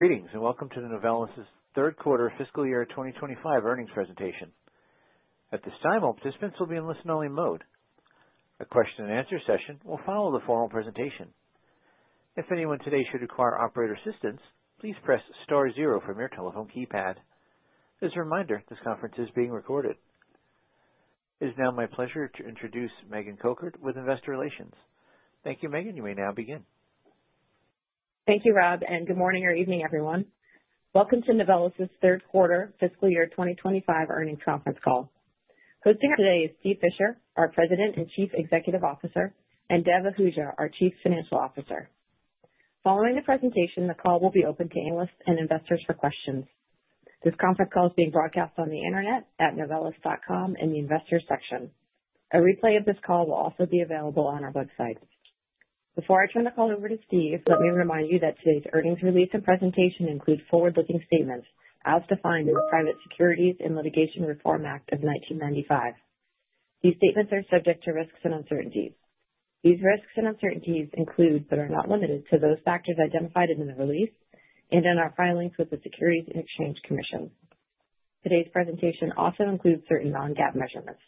Greetings, welcome to the Novelis’ Q3 fiscal year 2025 earnings presentation. At this time, all participants will be in listen-only mode. A question and answer session will follow the formal presentation. If anyone today should require operator assistance, please press star zero from your telephone keypad. As a reminder, this conference is being recorded. It is now my pleasure to introduce Megan Naficy with Investor Relations. Thank you, Megan. You may now begin. Thank you, Rob. Good morning or evening, everyone. Welcome to Novelis's Q3 fiscal year 2025 earnings conference call. Hosting today is Steve Fisher, our President and Chief Executive Officer, and Dev Ahuja, our Chief Financial Officer. Following the presentation, the call will be open to analysts and investors for questions. This conference call is being broadcast on the internet at novelis.com in the Investors section. A replay of this call will also be available on our website. Before I turn the call over to Steve, let me remind you that today's earnings release and presentation include forward-looking statements as defined in the Private Securities Litigation Reform Act of 1995. These statements are subject to risks and uncertainties. These risks and uncertainties include, but are not limited to, those factors identified in the release and in our filings with the Securities and Exchange Commission. Today's presentation also includes certain non-GAAP measurements.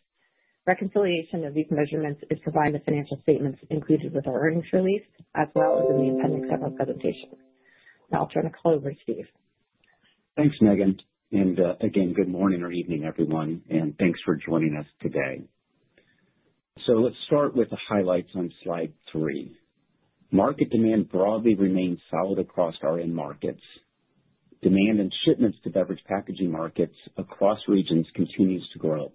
Reconciliation of these measurements is provided in the financial statements included with our earnings release, as well as in the appendix of our presentation. Now I'll turn the call over to Steve. Thanks, Megan, and again, good morning or evening, everyone, and thanks for joining us today. Let's start with the highlights on slide three. Market demand broadly remains solid across our end markets. Demand and shipments to beverage packaging markets across regions continues to grow,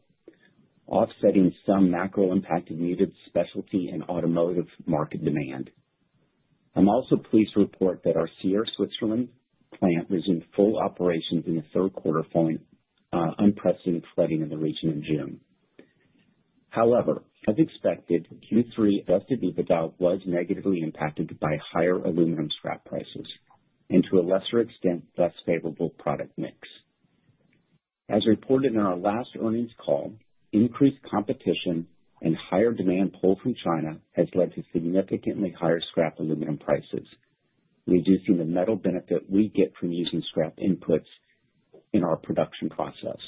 offsetting some macro impact in muted specialty and automotive market demand. I'm also pleased to report that our Sierre, Switzerland, plant resumed full operations in the Q3 following unprecedented flooding in the region in June. However, as expected, Q3 Adjusted EBITDA was negatively impacted by higher aluminum scrap prices and, to a lesser extent, less favorable product mix. As reported in our last earnings call, increased competition and higher demand pull from China has led to significantly higher scrap aluminum prices, reducing the metal benefit we get from using scrap inputs in our production process.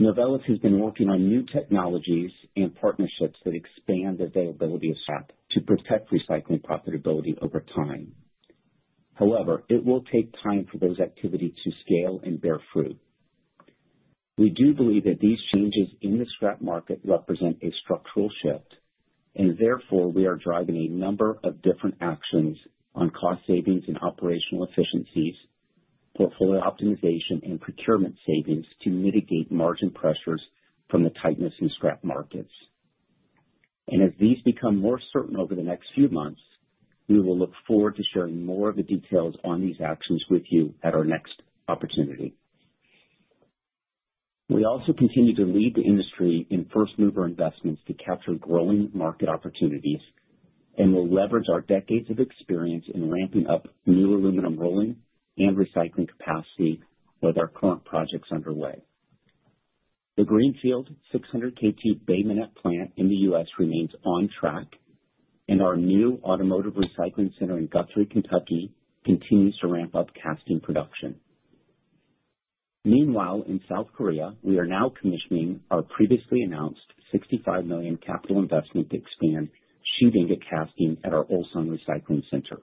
Novelis has been working on new technologies and partnerships that expand availability of scrap to protect recycling profitability over time. However, it will take time for those activities to scale and bear fruit. We do believe that these changes in the scrap market represent a structural shift and therefore we are driving a number of different actions on cost savings and operational efficiencies, portfolio optimization and procurement savings to mitigate margin pressures from the tightness in scrap markets. As these become more certain over the next few months, we will look forward to sharing more of the details on these actions with you at our next opportunity. We also continue to lead the industry in first mover investments to capture growing market opportunities and will leverage our decades of experience in ramping up new aluminum rolling and recycling capacity with our current projects underway. The Greenfield 600 KT Bay Minette plant in the U.S. remains on track, and our new automotive recycling center in Guthrie, Kentucky, continues to ramp up casting production. Meanwhile, in South Korea, we are now commissioning our previously announced $65 million capital investment to expand sheet ingot casting at our Ulsan Recycling Center.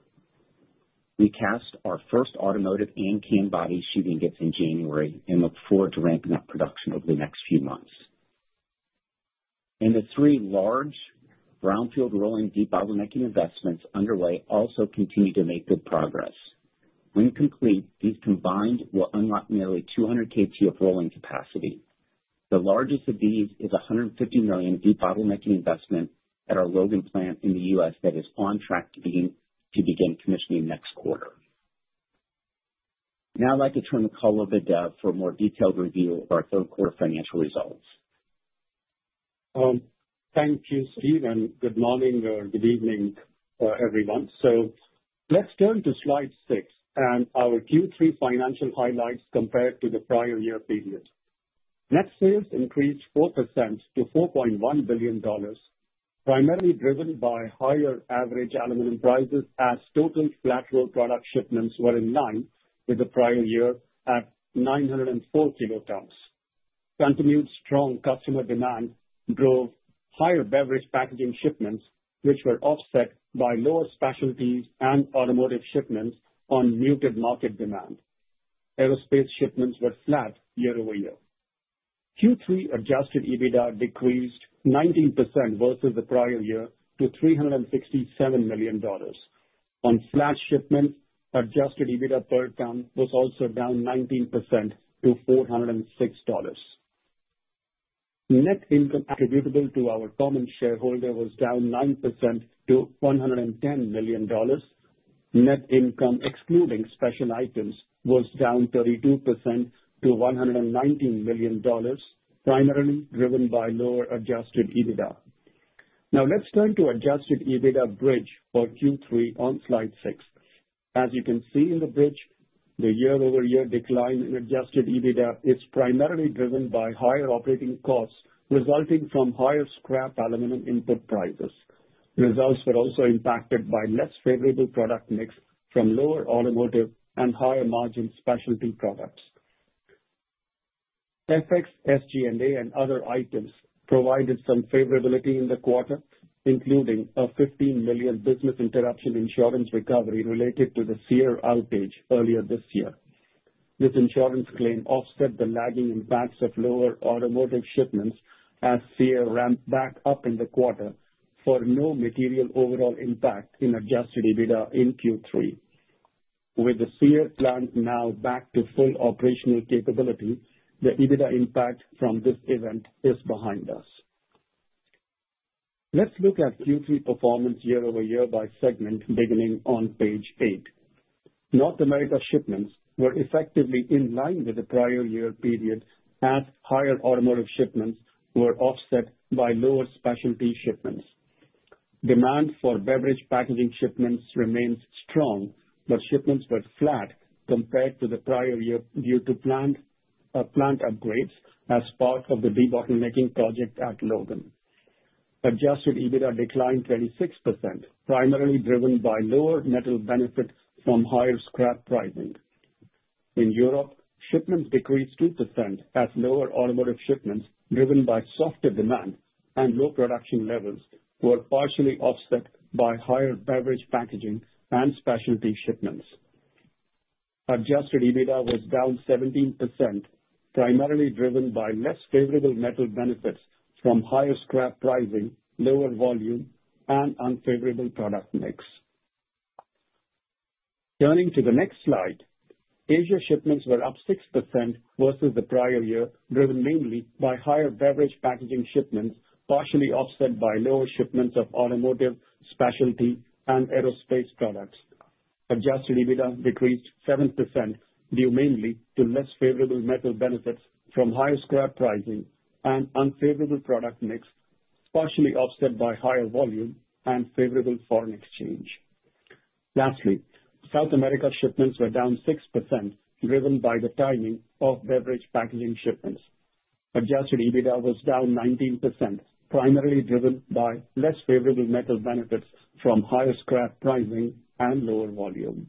We cast our first automotive and can body sheet ingots in January and look forward to ramping up production over the next few months. The three large brownfield rolling debottlenecking investments underway also continue to make good progress. When complete, these combined will unlock nearly 200 KT of rolling capacity. The largest of these is a $150 million debottlenecking investment at our Logan plant in the U.S. that is on track to begin commissioning next quarter. I'd like to turn the call over to Dev for a more detailed review of our Q3 financial results. Thank you, Steve, good morning or good evening, everyone. Let's turn to slide six and our Q3 financial highlights compared to the prior year period. Net sales increased 4% to $4.1 billion, primarily driven by higher average aluminum prices, as total flat-roll product shipments were in line with the prior year at 904 kilotonnes. Continued strong customer demand drove higher beverage packaging shipments, which were offset by lower specialties and automotive shipments on muted market demand. Aerospace shipments were flat year-over-year. Q3 Adjusted EBITDA decreased 19% versus the prior year to $367 million. On flat shipments, Adjusted EBITDA per ton was also down 19% to $406. Net income attributable to our common shareholder was down 9% to $110 million. Net income, excluding special items, was down 32% to $119 million, primarily driven by lower Adjusted EBITDA. Let's turn to Adjusted EBITDA bridge for Q3 on slide six. As you can see in the bridge. The year-over-year decline in Adjusted EBITDA is primarily driven by higher operating costs resulting from higher scrap aluminum input prices. Results were also impacted by less favorable product mix from lower automotive and higher margin specialty products. FX, SG&A, and other items provided some favorability in the quarter, including a $15 million business interruption insurance recovery related to the Sierre outage earlier this year. This insurance claim offset the lagging impacts of lower automotive shipments as Sierre ramped back up in the quarter for no material overall impact in Adjusted EBITDA in Q3. With the Sierre plant now back to full operational capability, the EBITDA impact from this event is behind us. Let's look at Q3 performance year-over-year by segment, beginning on page eight. North America shipments were effectively in line with the prior year period, as higher automotive shipments were offset by lower specialty shipments. Demand for beverage packaging shipments remains strong, but shipments were flat compared to the prior year due to plant upgrades as part of the debottlenecking project at Logan. Adjusted EBITDA declined 26%, primarily driven by lower metal benefits from higher scrap pricing. In Europe, shipments decreased 2% as lower automotive shipments, driven by softer demand and low production levels, were partially offset by higher beverage packaging and specialty shipments. Adjusted EBITDA was down 17%, primarily driven by less favorable metal benefits from higher scrap pricing, lower volume, and unfavorable product mix. Turning to the next slide, Asia shipments were up 6% versus the prior year, driven mainly by higher beverage packaging shipments, partially offset by lower shipments of automotive, specialty, and aerospace products. Adjusted EBITDA decreased 7%, due mainly to less favorable metal benefits from higher scrap pricing and unfavorable product mix, partially offset by higher volume and favorable foreign exchange. Lastly, South America shipments were down 6%, driven by the timing of beverage packaging shipments. Adjusted EBITDA was down 19%, primarily driven by less favorable metal benefits from higher scrap pricing and lower volume.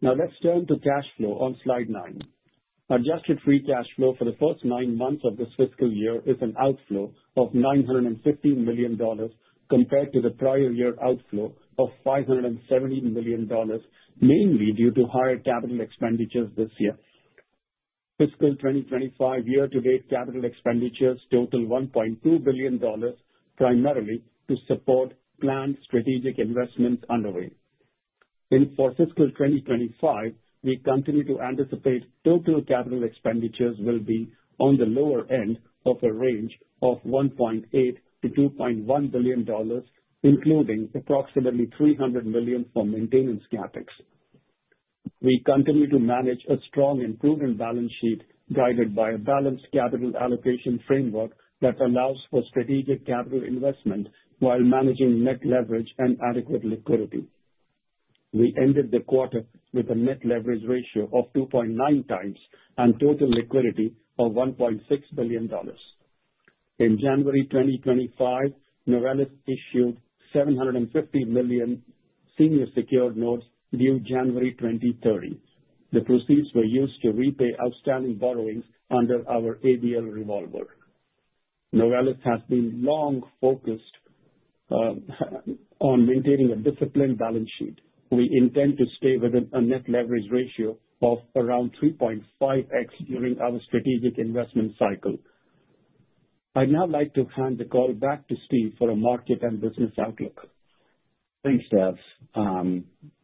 Now let's turn to cash flow on slide nine. Adjusted free cash flow for the first nine months of this fiscal year is an outflow of $950 million, compared to the prior year outflow of $570 million, mainly due to higher capital expenditures this year. Fiscal 2025 year-to-date capital expenditures total $1.2 billion, primarily to support planned strategic investments underway. For fiscal 2025, we continue to anticipate total capital expenditures will be on the lower end of a range of $1.8 billion-$2.1 billion, including approximately $300 million for maintenance CapEx. We continue to manage a strong improvement balance sheet, guided by a balanced capital allocation framework that allows for strategic capital investment while managing net leverage and adequate liquidity. We ended the quarter with a Net Leverage Ratio of 2.9 times and total liquidity of $1.6 billion. In January 2025, Novelis issued $750 million senior secured notes due January 2030. The proceeds were used to repay outstanding borrowings under our ABL revolver. Novelis has been long focused on maintaining a disciplined balance sheet. We intend to stay within a Net Leverage Ratio of around 2.5x during our strategic investment cycle. I'd now like to hand the call back to Steve for a market and business outlook. Thanks, Dev.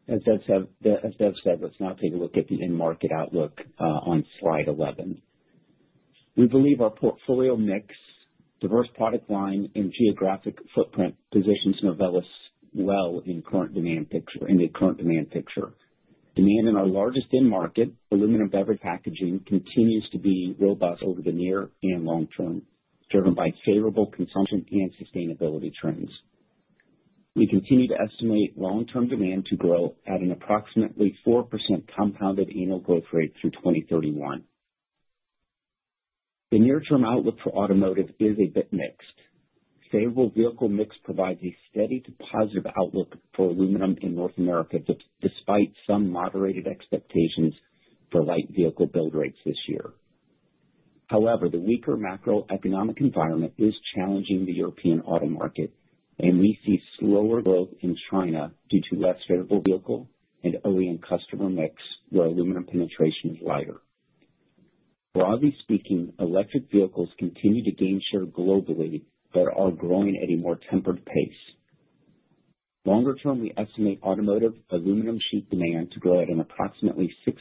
As Dev said, let's now take a look at the end market outlook on slide 11. We believe our portfolio mix, diverse product line, and geographic footprint positions Novelis well in the current demand picture. Demand in our largest end market, aluminum beverage packaging, continues to be robust over the near and long term, driven by favorable consumption and sustainability trends. We continue to estimate long-term demand to grow at an approximately 4% compounded annual growth rate through 2031. The near-term outlook for automotive is a bit mixed. Favorable vehicle mix provides a steady to positive outlook for aluminum in North America, despite some moderated expectations for light vehicle build rates this year. The weaker macroeconomic environment is challenging the European auto market, and we see slower growth in China due to less favorable vehicle and OEM customer mix, where aluminum penetration is lighter. Broadly speaking, electric vehicles continue to gain share globally, but are growing at a more tempered pace. Longer term, we estimate automotive aluminum sheet demand to grow at an approximately 6%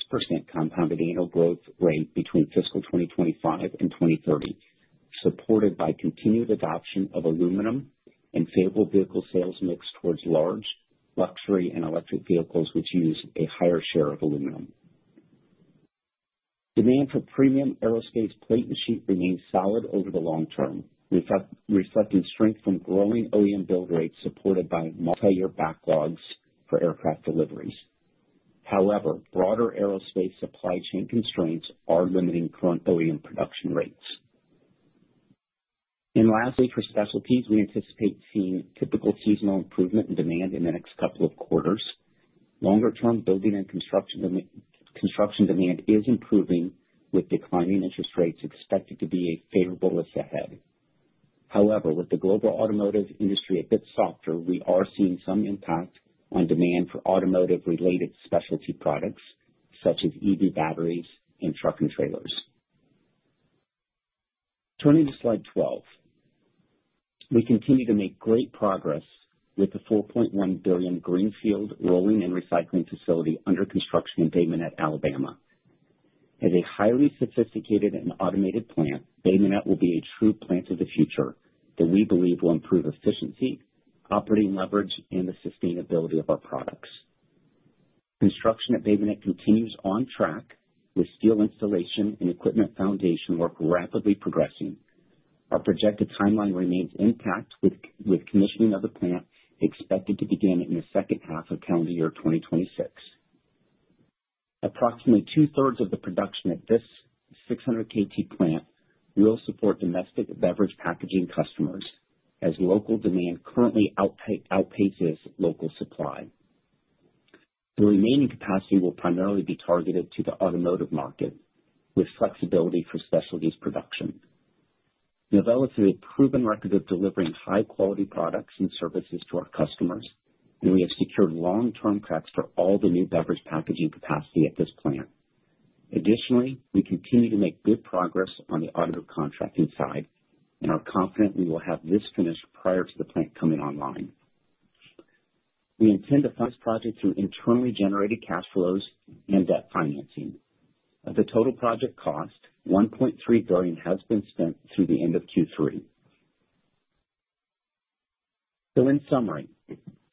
compounded annual growth rate between fiscal 2025 and 2030, supported by continued adoption of aluminum and favorable vehicle sales mix towards large luxury and electric vehicles, which use a higher share of aluminum. Demand for premium aerospace plate and sheet remains solid over the long term, reflecting strength from growing OEM build rates, supported by multiyear backlogs for aircraft deliveries. Broader aerospace supply chain constraints are limiting current OEM production rates. Lastly, for specialties, we anticipate seeing typical seasonal improvement in demand in the next couple of quarters. Longer term, building and construction demand is improving, with declining interest rates expected to be a favorable list ahead. However, with the global automotive industry a bit softer, we are seeing some impact on demand for automotive-related specialty products, such as EV batteries and truck and trailers. Turning to Slide 12. We continue to make great progress with the $4.1 billion greenfield rolling and recycling facility under construction in Bay Minette, Alabama. As a highly sophisticated and automated plant, Bay Minette will be a true plant of the future that we believe will improve efficiency, operating leverage, and the sustainability of our products. Construction at Bay Minette continues on track, with steel installation and equipment foundation work rapidly progressing. Our projected timeline remains intact, with commissioning of the plant expected to begin in the second half of calendar year 2026. Approximately 2/3 of the production at this 600 KT plant will support domestic beverage packaging customers, as local demand currently outpaces local supply. The remaining capacity will primarily be targeted to the automotive market, with flexibility for specialties production. Novelis has a proven record of delivering high-quality products and services to our customers, and we have secured long-term contracts for all the new beverage packaging capacity at this plant. Additionally, we continue to make good progress on the automotive contracting side and are confident we will have this finished prior to the plant coming online. We intend to fund this project through internally generated cash flows and debt financing. Of the total project cost, $1.3 billion has been spent through the end of Q3. In summary,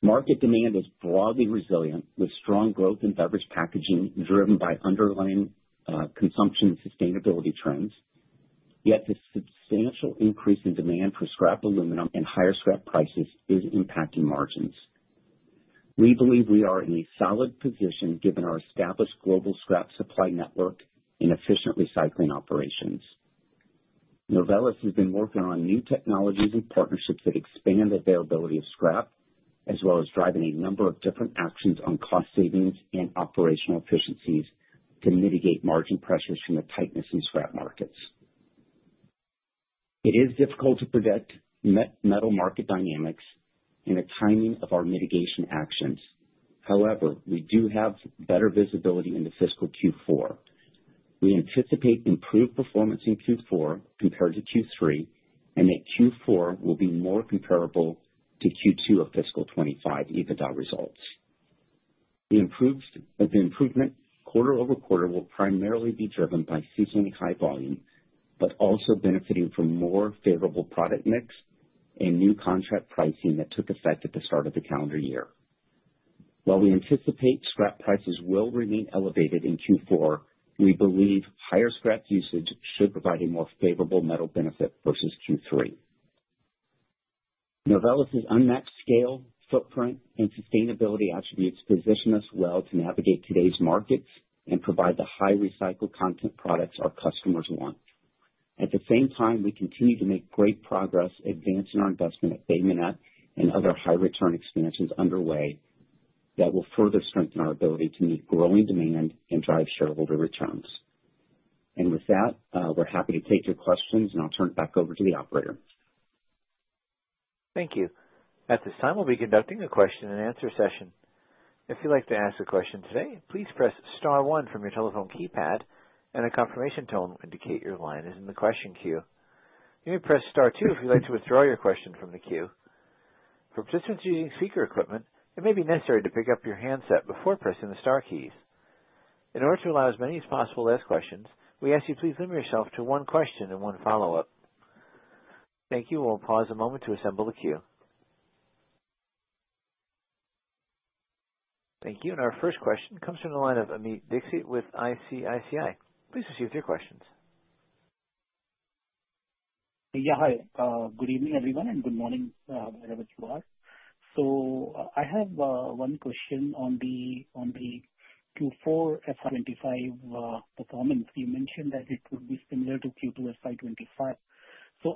market demand is broadly resilient, with strong growth in beverage packaging driven by underlying consumption and sustainability trends. The substantial increase in demand for scrap aluminum and higher scrap prices is impacting margins. We believe we are in a solid position, given our established global scrap supply network and efficient recycling operations. Novelis has been working on new technologies and partnerships that expand availability of scrap, as well as driving a number of different actions on cost savings and operational efficiencies to mitigate margin pressures from the tightness in scrap markets. It is difficult to predict metal market dynamics and the timing of our mitigation actions. We do have better visibility into fiscal Q4. We anticipate improved performance in Q4 compared to Q3, and that Q4 will be more comparable to Q2 of fiscal 25 EBITDA results. The improvement quarter-over-quarter will primarily be driven by seasonally high volume, but also benefiting from more favorable product mix and new contract pricing that took effect at the start of the calendar year. While we anticipate scrap prices will remain elevated in Q4, we believe higher scrap usage should provide a more favorable metal benefit versus Q3. Novelis's unmatched scale, footprint, and sustainability attributes position us well to navigate today's markets and provide the high recycled content products our customers want. At the same time, we continue to make great progress advancing our investment at Bay Minette and other high return expansions underway that will further strengthen our ability to meet growing demand and drive shareholder returns. With that, we're happy to take your questions, and I'll turn it back over to the operator. Thank you. At this time, we'll be conducting a question-and-answer session. If you'd like to ask a question today, please press star one from your telephone keypad, and a confirmation tone will indicate your line is in the question queue. You may press star two if you'd like to withdraw your question from the queue. For participants using speaker equipment, it may be necessary to pick up your handset before pressing the star keys. In order to allow as many as possible to ask questions, we ask you please limit yourself to one question and one follow-up. Thank you. We'll pause a moment to assemble the queue. Thank you. Our first question comes from the line of Amit Dixit with ICICI Securities. Please proceed with your questions. Hi. Good evening, everyone, and good morning, wherever you are. I have one question on the Q4 FY25 performance. You mentioned that it would be similar to Q2 FY25.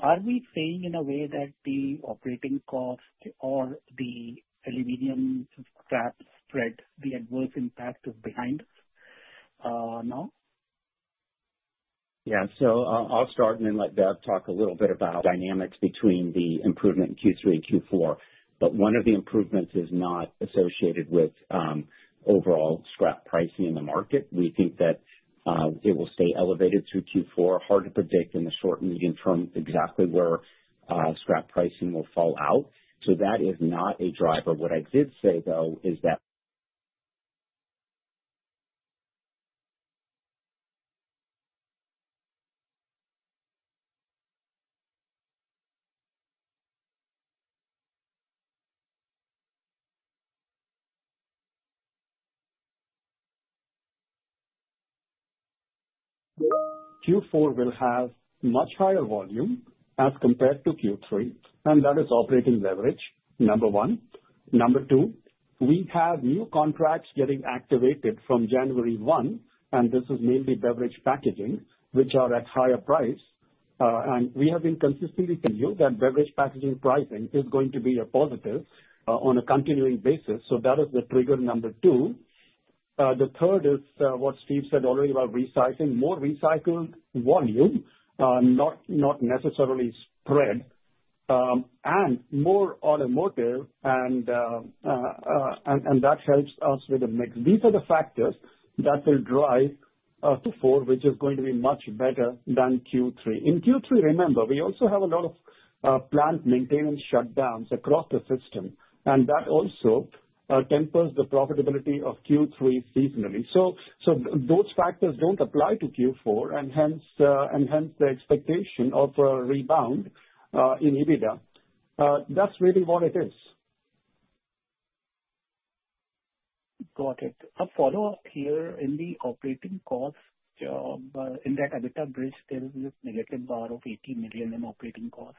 Are we saying in a way that the operating cost or the aluminum scrap spread, the adverse impact is behind us, now? Yeah. I'll start and then let Dev talk a little bit about dynamics between the improvement in Q3 and Q4. One of the improvements is not associated with overall scrap pricing in the market. We think that it will stay elevated through Q4. Hard to predict in the short and medium term exactly where scrap pricing will fall out. That is not a driver. What I did say, though, is that- Q4 will have much higher volume as compared to Q3, and that is operating leverage, number one. Number two, we have new contracts getting activated from January 1, and this is mainly beverage packaging, which are at higher price. We have been consistently telling you that beverage packaging pricing is going to be a positive on a continuing basis. That is the trigger number two. The third is what Steve said already about recycling. More recycled volume, not necessarily spread, and more automotive and that helps us with the mix. These are the factors that will drive Q4, which is going to be much better than Q3. In Q3, remember, we also have a lot of plant maintenance shutdowns across the system, and that also tempers the profitability of Q3 seasonally. Those factors don't apply to Q4, hence the expectation of a rebound in EBITDA. That's really what it is. Got it. A follow-up here. In the operating costs, in that EBITDA bridge, there is a negative bar of $80 million in operating costs.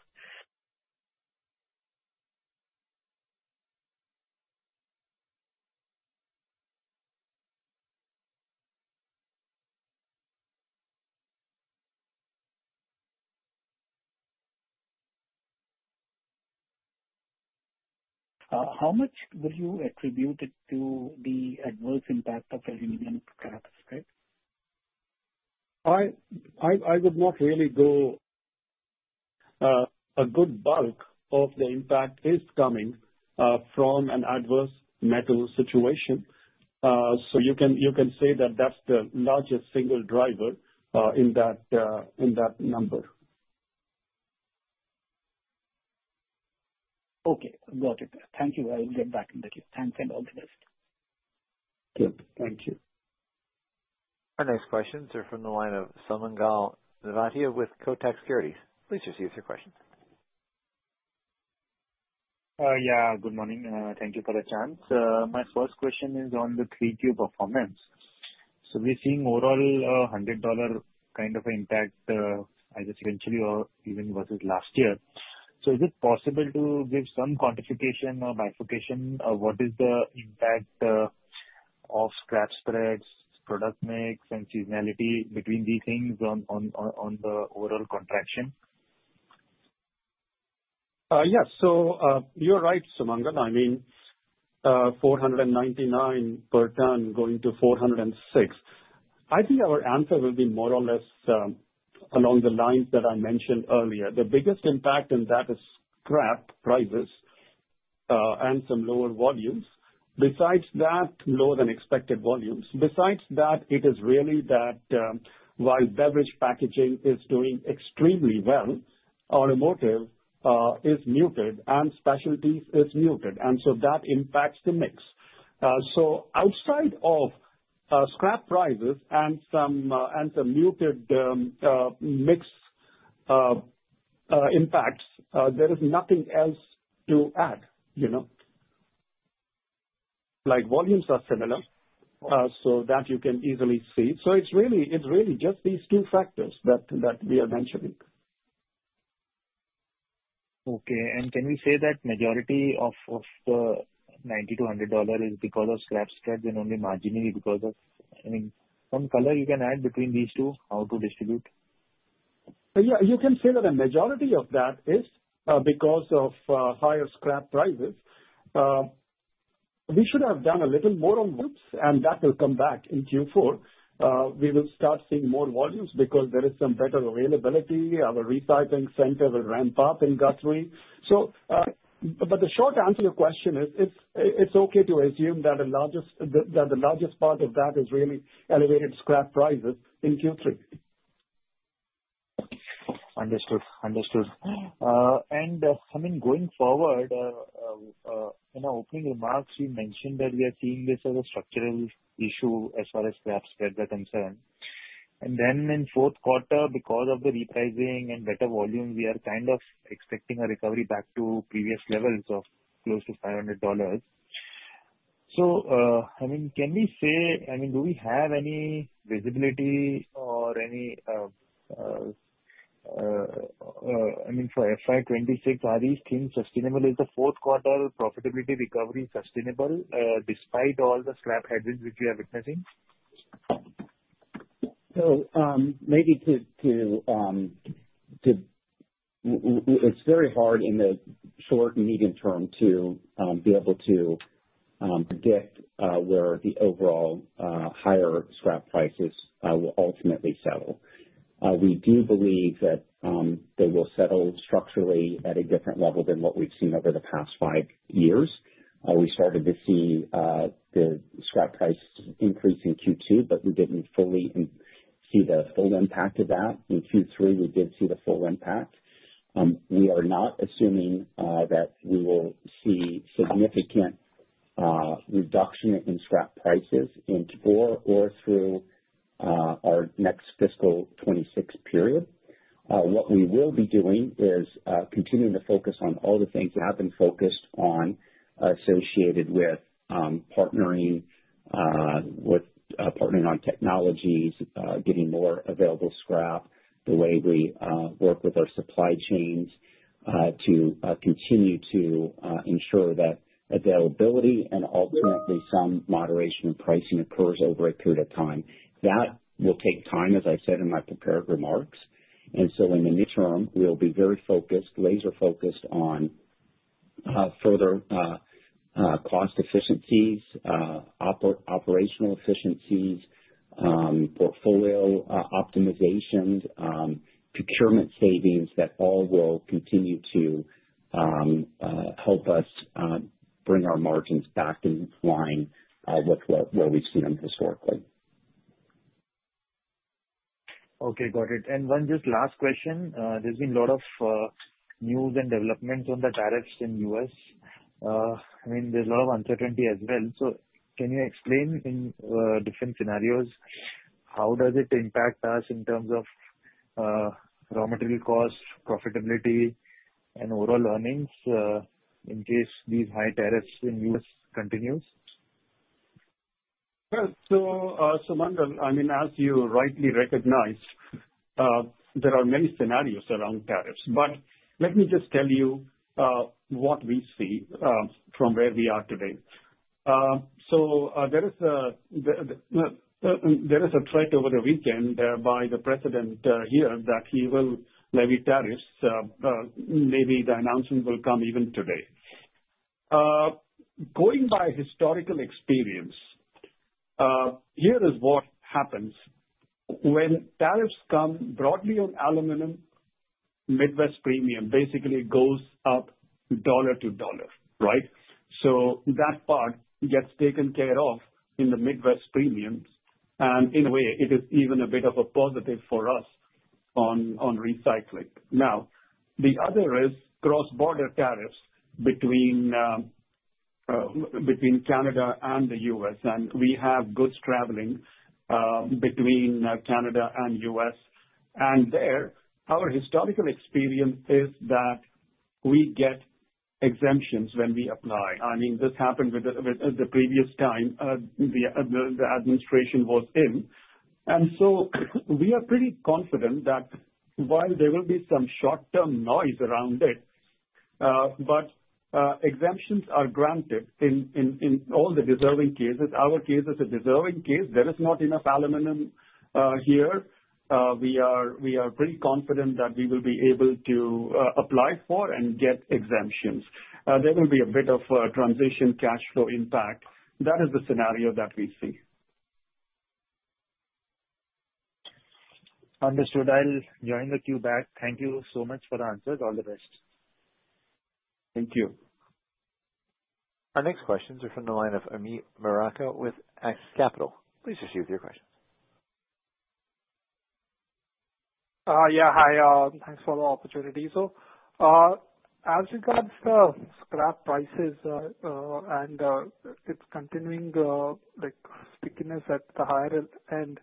How much would you attribute it to the adverse impact of the Indian scrap, right? A good bulk of the impact is coming from an adverse metal situation. You can say that that's the largest single driver in that number. Okay, got it. Thank you. I will get back in the queue. Thanks, and all the best. Good. Thank you. Our next questions are from the line of Sumangal Nevatia with Kotak Securities. Please just ask your questions. Yeah, good morning. Thank you for the chance. My first question is on the Q3 performance. We're seeing overall, $100 kind of impact, I guess, essentially or even versus last year. Is it possible to give some quantification or bifurcation of what is the impact of scrap spreads, product mix and seasonality between these things on the overall contraction? Yes. You're right, Sumangal. I mean, 499 per ton, going to 406. I think our answer will be more or less, along the lines that I mentioned earlier. The biggest impact in that is scrap prices, and some lower volumes. Besides that, lower than expected volumes. Besides that, it is really that, while beverage packaging is doing extremely well, automotive is muted and specialties is muted, that impacts the mix. Outside of scrap prices and some muted mix impacts, there is nothing else to add,? Like, volumes are similar, that you can easily see. It's really just these two factors that we are mentioning. Okay. Can we say that majority of the $90-$100 is because of scrap spread and only marginally because of, I mean, some color you can add between these two, how to distribute? You can say that the majority of that is because of higher scrap prices. We should have done a little more on boots, and that will come back in Q4. We will start seeing more volumes because there is some better availability. Our recycling center will ramp up in Guthrie. The short answer to your question is, it's okay to assume that the largest part of that is really elevated scrap prices in Q3. Understood. Understood. I mean, going forward, in our opening remarks, you mentioned that we are seeing this as a structural issue as far as scrap spreads are concerned. In fourth quarter, because of the repricing and better volume, we are kind of expecting a recovery back to previous levels of close to $500. I mean, do we have any visibility or any, I mean, for FY 2026, are these things sustainable? Is the fourth quarter profitability recovery sustainable, despite all the scrap headwinds which we are witnessing? Maybe it's very hard in the short and medium term to be able to predict where the overall higher scrap prices will ultimately settle. We do believe that they will settle structurally at a different level than what we've seen over the past five years. We started to see the scrap prices increase in Q2, but we didn't fully see the full impact of that. In Q3, we did see the full impact. We are not assuming that we will see significant reduction in scrap prices in Q4 or through our next fiscal 26 period. ` Tags. I will process the text according to the instructions, focusing on removing filler sounds, false starts, and stuttered repetitions, while maintaining all other words and formatting as specified. Here's the breakdown of changes: What we will be doing is continuing to focus on all the things we have been focused on, associated with, um, partnering with partnering on technologies getting more available scrap, the way we work with our supply chains continue to ensure that availability and ultimately some moderation in pricing occurs over a period of time. Okay, got it. One just last question. There's been a lot of news and developments on the tariffs in U.S. I mean, there's a lot of uncertainty as well. Can you explain in different scenarios, how does it impact us in terms of raw material costs, profitability, and overall earnings, in case these high tariffs in U.S. continues? Sumangal, I mean, as you rightly recognize, there are many scenarios around tariffs, but let me just tell you, what we see, from where we are today. There is a threat over the weekend, by the president, here, that he will levy tariffs. Maybe the announcement will come even today. Going by historical experience, here is what happens: When tariffs come broadly on aluminum, Midwest Premium basically goes up dollar to dollar, right? That part gets taken care of in the Midwest Premiums, and in a way, it is even a bit of a positive for us on recycling. The other is cross-border tariffs between Canada and the U.S., and we have goods traveling, between Canada and U.S. There, our historical experience is that we get exemptions when we apply. I mean, this happened with the previous time the administration was in. We are pretty confident that while there will be some short-term noise around it, but exemptions are granted in all the deserving cases. Our case is a deserving case. There is not enough aluminum here. We are pretty confident that we will be able to apply for and get exemptions. There will be a bit of a transition cash flow impact. That is the scenario that we see. Understood. I'll join the queue back. Thank you so much for the answers. All the best. Thank you. Our next questions are from the line of Amit Marfatia with Axis Capital. Please proceed with your questions. Hi. Thanks for the opportunity. As regards the scrap prices, and, it's continuing, like, stickiness at the higher end,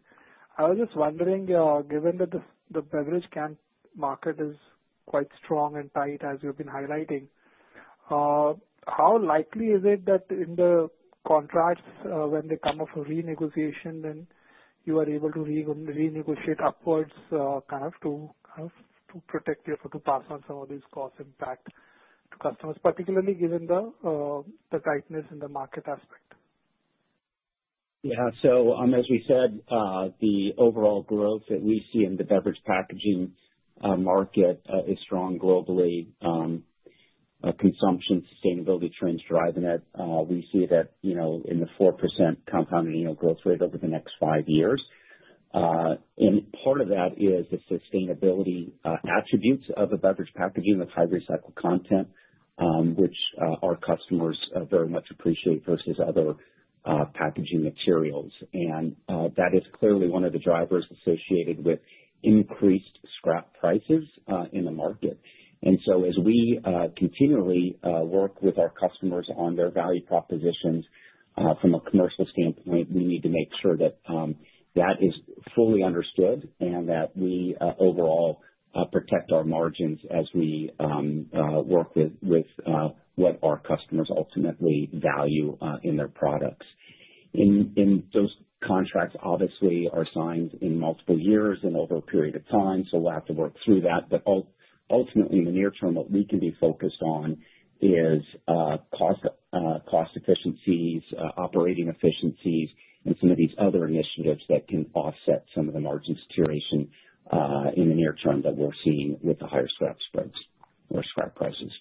I was just wondering, given that the beverage can market is quite strong and tight as you've been highlighting, how likely is it that in the contracts, when they come up for renegotiation, then you are able to renegotiate upwards, kind of to protect you, for to pass on some of these cost impact to customers, particularly given the tightness in the market aspect? As we said, the overall growth that we see in the beverage packaging market is strong globally. Consumption sustainability trends driving it. We see that in the 4% compounding annual growth rate over the next 5 years. And part of that is the sustainability attributes of a beverage packaging with high recycled content, which our customers very much appreciate versus other packaging materials. That is clearly one of the drivers associated with increased scrap prices in the market. As we continually work with our customers on their value propositions from a commercial standpoint, we need to make sure that is fully understood and that we overall protect our margins as we work with what our customers ultimately value in their products. Those contracts obviously are signed in multiple years and over a period of time, so we'll have to work through that. Ultimately, in the near term, what we can be focused on is cost efficiencies, operating efficiencies, and some of these other initiatives that can offset some of the margin deterioration in the near term that we're seeing with the higher scrap spreads or scrap prices.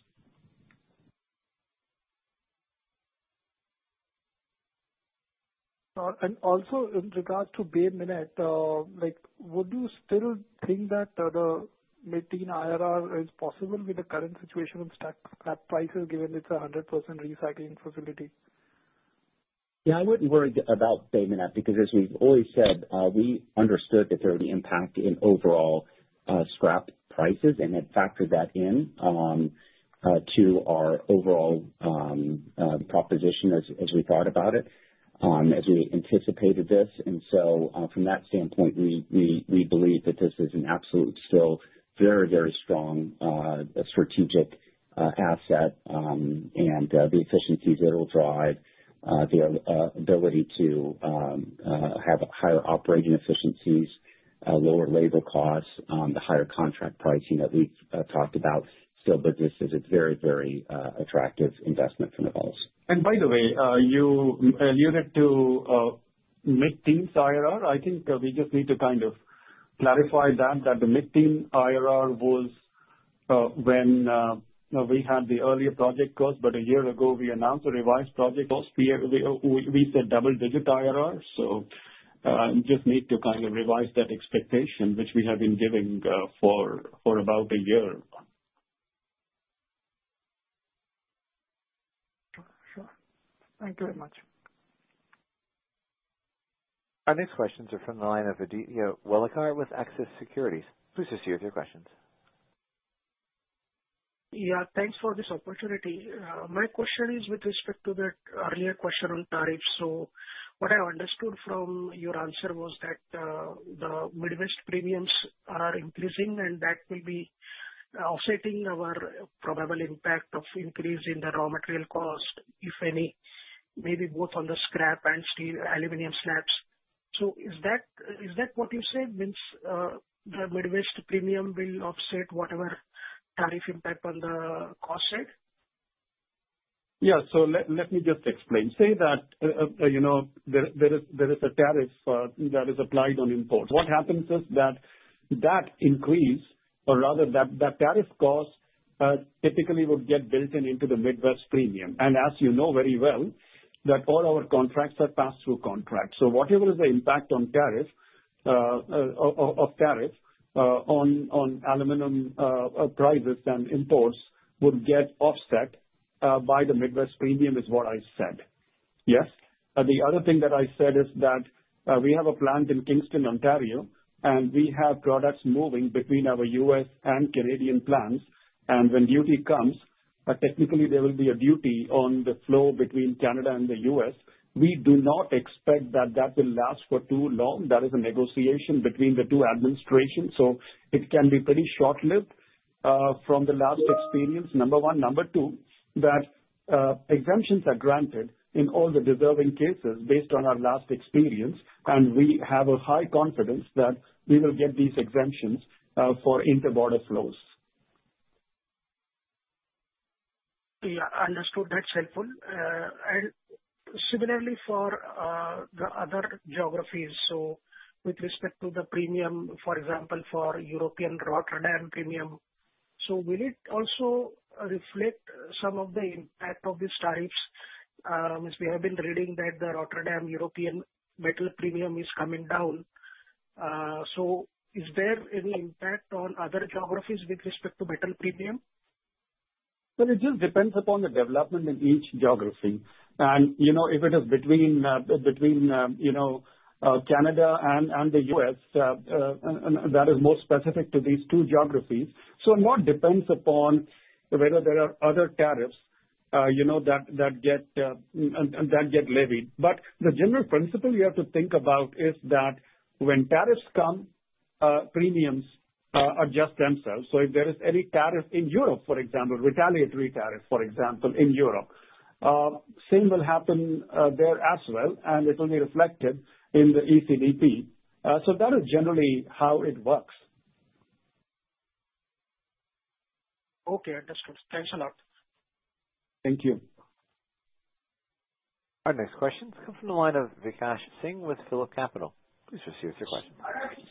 In regard to Bay Minette, like, would you still think that the maintain IRR is possible with the current situation on stack, prices, given it's a 100% recycling facility? I wouldn't worry about Bay Minette, because as we've always said, we understood that there would be impact in overall scrap prices and had factored that in to our overall proposition as we thought about it. as we anticipated this. From that standpoint, we believe that this is an absolute, still very strong, strategic asset. The efficiencies it'll drive, the ability to have higher operating efficiencies, lower labor costs, the higher contract pricing that we've talked about still, This is a very, very attractive investment from the falls. By the way, you had to mid-teens IRR. I think we just need to kind of clarify that the mid-teen IRR was when we had the earlier project cost, but a year ago we announced a revised project cost. We said double digit IRR. just need to kind of revise that expectation, which we have been giving for about a year. Sure. Thank you very much. Our next questions are from the line of Aditya Dole with Axis Securities. Please proceed with your questions. Yeah, thanks for this opportunity. My question is with respect to the earlier question on tariffs. What I understood from your answer was that, the Midwest Premiums are increasing, and that will be offsetting our probable impact of increase in the raw material cost, if any, maybe both on the scrap and aluminum scraps. Is that what you said, means, the Midwest Premium will offset whatever tariff impact on the cost side? Yeah. Let me just explain. Say that there is a tariff that is applied on imports. What happens is that that increase, or rather that tariff cost, typically would get built in into the Midwest Premium. As very well, that all our contracts are pass-through contracts. Whatever is the impact on tariff, of tariff, on aluminum prices and imports would get offset by the Midwest Premium, is what I said. Yes? The other thing that I said is that we have a plant in Kingston, Ontario, and we have products moving between our US and Canadian plants. When duty comes, technically there will be a duty on the flow between Canada and the US. We do not expect that that will last for too long. That is a negotiation between the two administrations, so it can be pretty short-lived, from the last experience, number one. Number two, that, exemptions are granted in all the deserving cases based on our last experience, and we have a high confidence that we will get these exemptions, for inter-border flows. Yeah, understood. That's helpful. Similarly for the other geographies, with respect to the premium, for example, for European Rotterdam premium, will it also reflect some of the impact of these tariffs? As we have been reading that the Rotterdam European metal premium is coming down. Is there any impact on other geographies with respect to metal premium? Well, it just depends upon the development in each geography. if it is between Canada and the U.S., that is more specific to these two geographies. A lot depends upon whether there are other tariffs that get and that get levied. The general principle you have to think about is that when tariffs come, premiums adjust themselves. If there is any tariff in Europe, for example, retaliatory tariff, for example, in Europe, same will happen there as well, and it will be reflected in the ECBP. That is generally how it works. Okay, understood. Thanks a lot. Thank you. Our next question comes from the line of Vikash Singh with PhillipCapital. Please proceed with your question.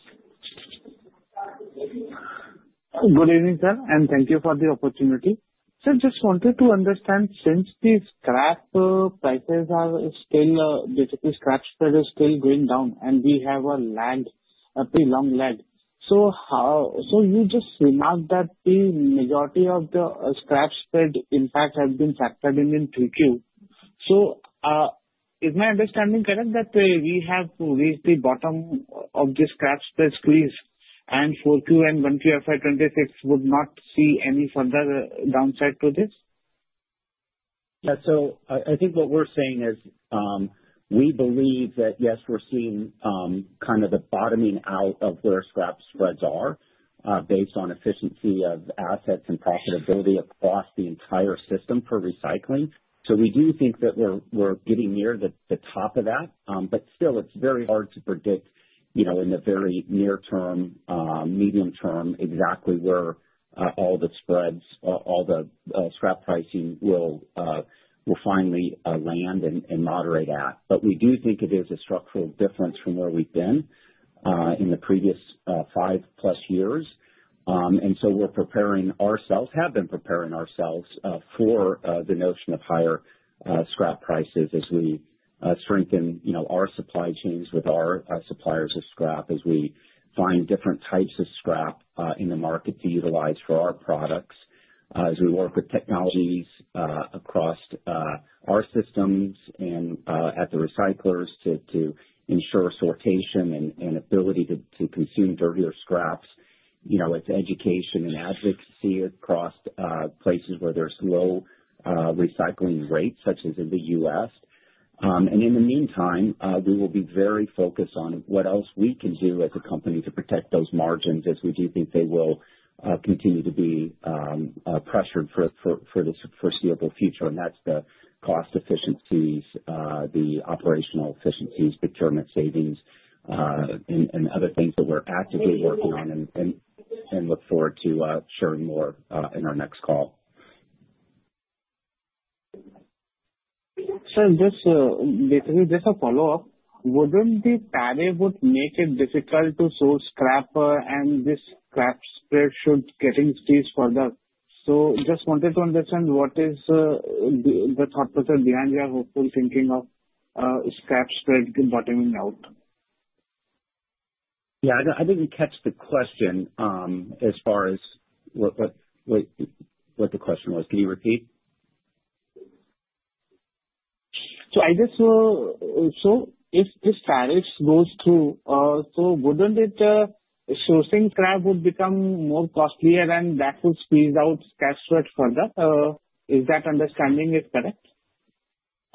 Good evening, sir, thank you for the opportunity. Just wanted to understand, since the scrap prices are still, basically scrap spread is still going down, and we have a lag, a pretty long lag. You just remarked that the majority of the scrap spread impact has been factored in in 3Q. Is my understanding correct, that we have reached the bottom of the scrap spread squeeze and 4Q and 1Q of FY 26 would not see any further downside to this? What we're saying is, we believe that, yes, we're seeing kind of the bottoming out of where scrap spreads are based on efficiency of assets and profitability across the entire system for recycling. We do think that we're getting near the top of that. Still, it's very hard to predict in the very near term, medium term, exactly where all the spreads, all the scrap pricing will finally land and moderate at. We do think it is a structural difference from where we've been in the previous 5+ years. We're preparing ourselves, have been preparing ourselves, for the notion of higher scrap prices as we strengthen our supply chains with our suppliers of scrap, as we find different types of scrap in the market to utilize for our products, as we work with technologies across our systems and at the recyclers to ensure sortation and ability to consume dirtier scraps. It's education and advocacy across places where there's low recycling rates, such as in the US. In the meantime, we will be very focused on what else we can do as a company to protect those margins, as we do think they will continue to be pressured for the foreseeable future. That's the cost efficiencies, the operational efficiencies, procurement savings, and other things that we're actively working on and look forward to sharing more in our next call. Sir, just a follow-up. Wouldn't the tariff make it difficult to source scrap, and this scrap spread should getting squeezed further? Just wanted to understand what is the thought process behind your whole thinking of scrap spread bottoming out? Yeah, I didn't catch the question, as far as what the question was. Can you repeat? I just. If this tariff goes through, so wouldn't it, sourcing scrap would become more costlier and that would squeeze out scrap spread further? Is that understanding is correct?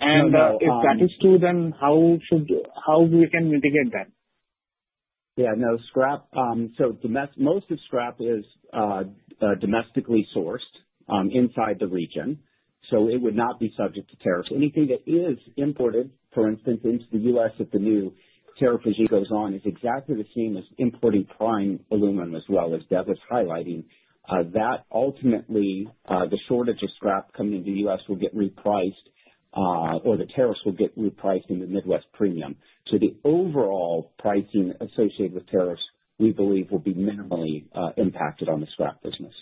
No. If that is true, then how we can mitigate that? Yeah, no scrap. Most of scrap is domestically sourced inside the region, so it would not be subject to tariffs. Anything that is imported, for instance, into the U.S., if the new tariff regime goes on, is exactly the same as importing prime aluminum, as well, as Dev was highlighting. That ultimately, the shortage of scrap coming to the U.S. will get repriced, or the tariffs will get repriced in the Midwest Premium. The overall pricing associated with tariffs, we believe, will be minimally impacted on the scrap business.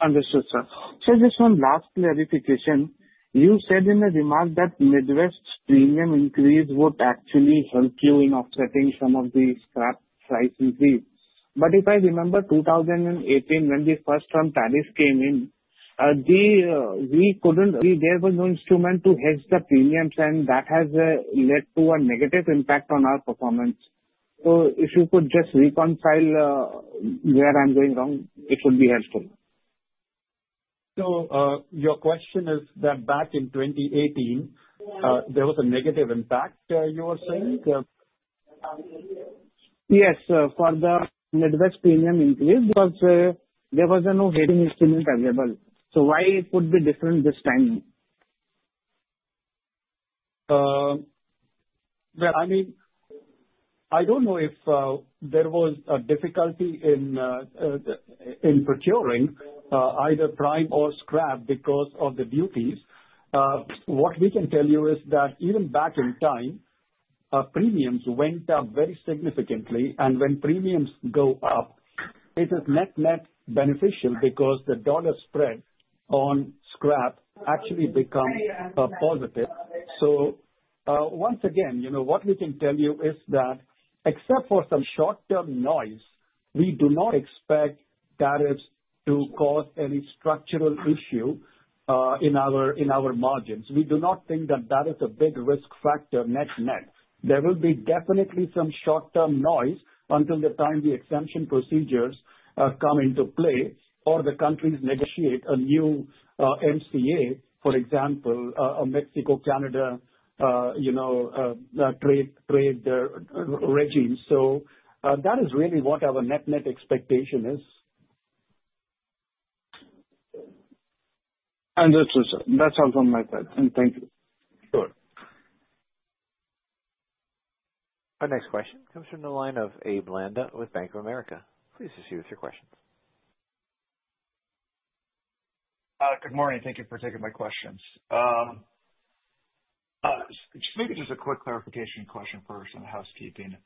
Understood, sir. Just one last clarification. You said in the remark that Midwest Premium increase would actually help you in offsetting some of the scrap prices. If I remember, 2018, when the first term tariffs came in, there was no instrument to hedge the premiums, and that has led to a negative impact on our performance. If you could just reconcile where I'm going wrong, it would be helpful. Your question is that back in 2018, there was a negative impact, you are saying? Yes, for the Midwest Premium increase, because there was no hedging instrument available. Why it would be different this time? Well, I mean, I don't know if there was a difficulty in procuring either prime or scrap because of the duties. What we can tell you is that even back in time, premiums went up very significantly, and when premiums go up, it is net-net beneficial because the dollar spread on scrap actually become positive. Once again what we can tell you is that except for some short-term noise, we do not expect tariffs to cause any structural issue in our, in our margins. We do not think that that is a big risk factor net-net. There will be definitely some short-term noise until the time the exemption procedures come into play or the countries negotiate a new USMCA, for example, a Mexico, canada trade regime. That is really what our net-net expectation is. Understood, sir. That's all from my side. Thank you. Sure. Our next question comes from the line of Abe Landa with Bank of America. Please proceed with your question. Good morning. Thank you for taking my questions. Just maybe just a quick clarification question first on housekeeping.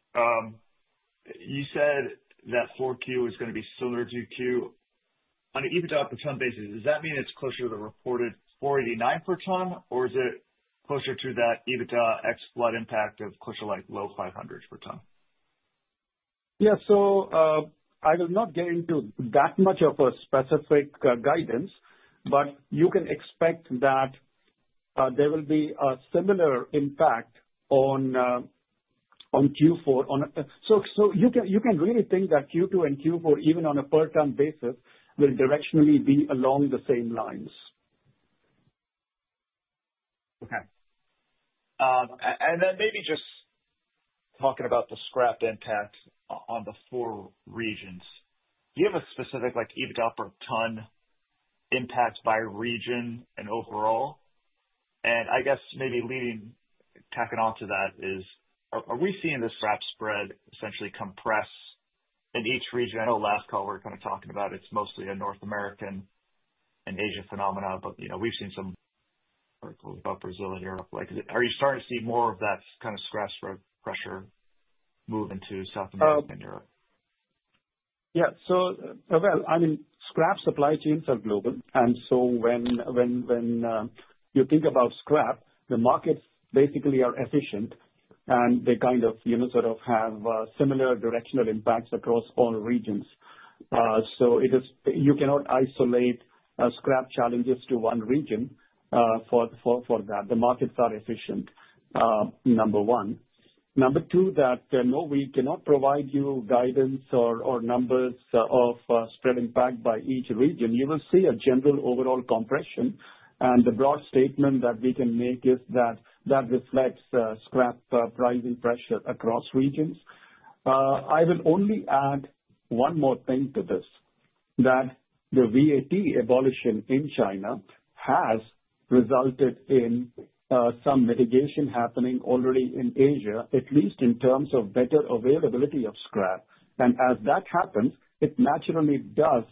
You said that 4Q is going to be similar to 2Q. On an Adjusted EBITDA per ton basis, does that mean it's closer to the reported $489 per ton, or is it closer to that Adjusted EBITDA ex-flood impact of closer like low $500s per ton? Yeah. I will not get into that much of a specific guidance, but you can expect that there will be a similar impact on Q4, so you can really think that Q2 and Q4, even on a per ton basis, will directionally be along the same lines. Okay. Maybe just talking about the scrap impact on the four regions. Do you have a specific like EBITDA per ton impact by region and overall? Maybe leading, tacking on to that is, are we seeing the scrap spread essentially compress in each region? I know last call we're kind of talking about it's mostly a North American and Asia phenomenon, we've seen some articles about Brazil and Europe. Like, are you starting to see more of that kind of scrap spread pressure moving to South America and Europe? Well, I mean, scrap supply chains are global, when you think about scrap, the markets basically are efficient, and they kind of sort of have similar directional impacts across all regions. So it is, you cannot isolate scrap challenges to one region for that. The markets are efficient, number one. Number two, that, no, we cannot provide you guidance or numbers of spread impact by each region. You will see a general overall compression, and the broad statement that we can make is that that reflects scrap pricing pressure across regions. I will only add one more thing to this, that the VAT abolition in China has resulted in some mitigation happening already in Asia, at least in terms of better availability of scrap. As that happens, it naturally does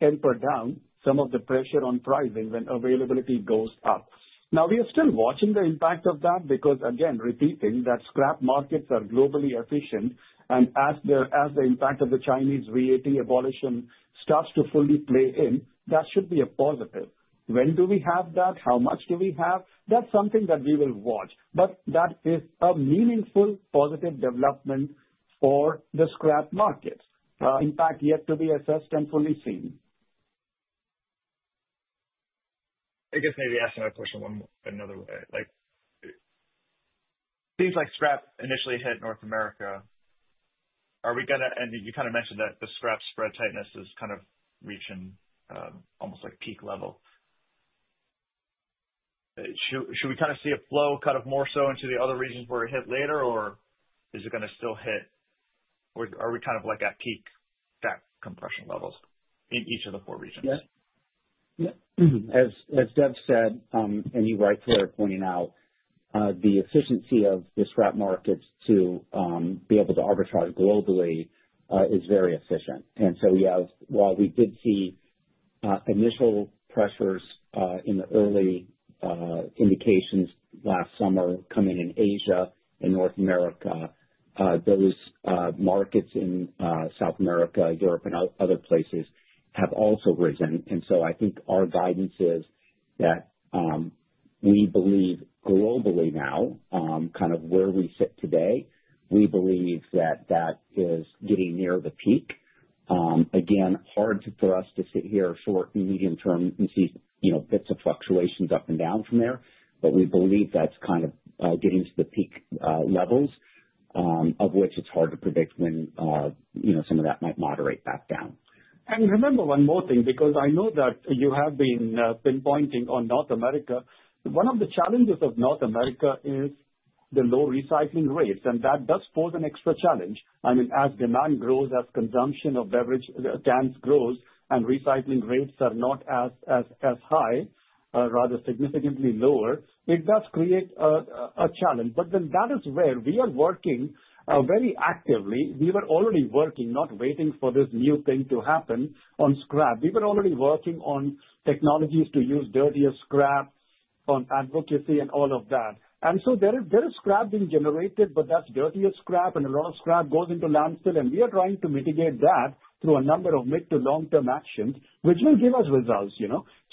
temper down some of the pressure on pricing when availability goes up. We are still watching the impact of that because, again, repeating that scrap markets are globally efficient, and as the impact of the Chinese VAT abolition starts to fully play in, that should be a positive. When do we have that? How much do we have? That's something that we will watch, but that is a meaningful positive development for the scrap markets, impact yet to be assessed and fully seen. I guess maybe asking that question another way. Like, it seems like scrap initially hit North America. Are we going to. You kind of mentioned that the scrap spread tightness is kind of reaching, almost like peak level. Should we kind of see a flow kind of more so into the other regions where it hit later, or is it gonna still hit? Are we kind of like at peak debt compression levels in each of the four regions? Yeah. As Dev said, and you're right for pointing out, the efficiency of the scrap markets to be able to arbitrage globally is very efficient. While we did see initial pressures in the early indications last summer coming in Asia and North America, those markets in South America, Europe, and other places have also risen. I think our guidance is that we believe globally now, kind of where we sit today, we believe that is getting near the peak. Again, hard to, for us to sit here short and medium term and see bits of fluctuations up and down from there. We believe that's kind of, getting to the peak, levels, of which it's hard to predict when some of that might moderate back down. Remember one more thing, because I know that you have been pinpointing on North America. One of the challenges of North America is the low recycling rates, and that does pose an extra challenge. I mean, as demand grows, as consumption of beverage cans grows and recycling rates are not as high, rather significantly lower, it does create a challenge. That is where we are working very actively. We were already working, not waiting for this new thing to happen on scrap. We were already working on technologies to use dirtier scrap, on advocacy and all of that. There is scrap being generated, but that's dirtier scrap, and a lot of scrap goes into landfill, and we are trying to mitigate that through a number of mid to long-term actions, which will give us results,?